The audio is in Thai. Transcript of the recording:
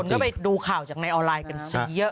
ก็ไปดูข่าวจากในออนไลน์กันสิเยอะ